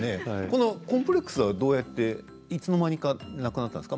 コンプレックスはいつの間にかなくなったんですか